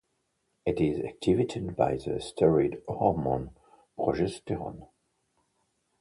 It is activated by the steroid hormone progesterone.